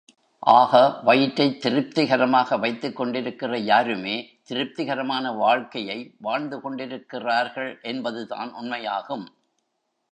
ஆக, வயிற்றைத் திருப்திகரமாக வைத்துக் கொண்டிருக்கிற யாருமே திருப்திகரமான வாழ்க்கையை வாழ்ந்து கொண்டிருக்கிறாள்கள் என்பதுதான் உண்மையாகும்.